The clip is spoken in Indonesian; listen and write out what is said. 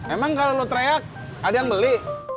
emang kalau lo teriak ada yang beli